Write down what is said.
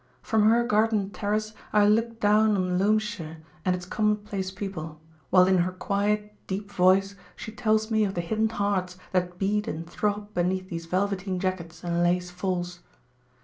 From her garden terrace I look down on Loamshire and its commonplace people; while in her quiet, deep voice she tells me of the hidden hearts that beat and throb beneath these velveteen jackets and lace falls.